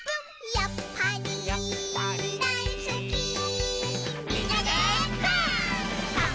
「やっぱりやっぱりだいすき」「みんなでパン！」